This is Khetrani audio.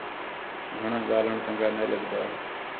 گھݨاں ڳاھلݨ چَنڳا نے لڳدا